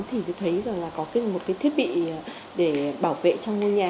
thì thấy rằng là có một cái thiết bị để bảo vệ trong ngôi nhà